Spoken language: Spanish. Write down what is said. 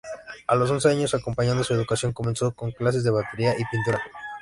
A los once años, acompañando su educación, comenzó con clases de batería y pintura.